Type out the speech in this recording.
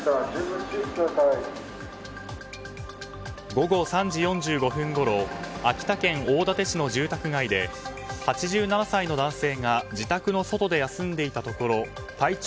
午後３時４５分ごろ秋田県大館市の住宅街で８７歳の男性が自宅の外で休んでいたところ体長